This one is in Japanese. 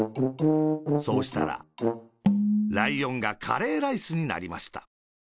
そうしたら、ライオンがカレーライスになりました。